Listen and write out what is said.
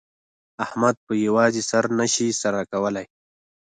احمد په په یوازې سر نه شي سر کولای.